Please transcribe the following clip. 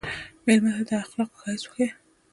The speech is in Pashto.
مېلمه ته د اخلاقو ښایست وښیه.